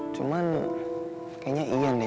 cuman kayaknya ian deh